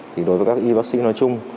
thì đối với các y bác sĩ nói chung